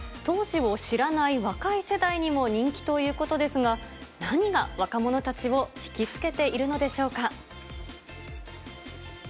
当時を知らない若い世代にも人気ということですが、何が若者たちを引き付けているのでしょうか。